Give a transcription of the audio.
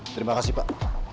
terima kasih pak